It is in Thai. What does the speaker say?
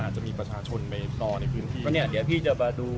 อาจจะมีประชาชนไปต่อในพื้นที่